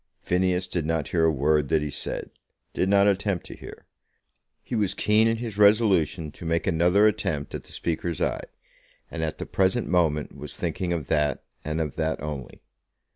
Phineas did not hear a word that he said; did not attempt to hear. He was keen in his resolution to make another attempt at the Speaker's eye, and at the present moment was thinking of that, and of that only.